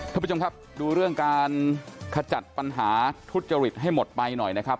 ท่านผู้ชมครับดูเรื่องการขจัดปัญหาทุจริตให้หมดไปหน่อยนะครับ